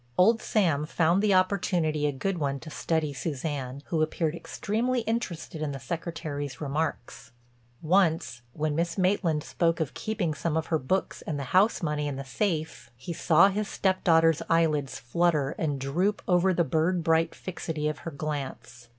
Old Sam found the opportunity a good one to study Suzanne, who appeared extremely interested in the Secretary's remarks. Once, when Miss Maitland spoke of keeping some of her books and the house money in the safe, he saw his stepdaughter's eyelids flutter and droop over the bird bright fixity of her glance.